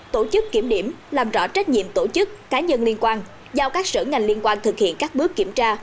tổ chức kiểm điểm làm rõ trách nhiệm tổ chức cá nhân liên quan giao các sở ngành liên quan thực hiện các bước kiểm tra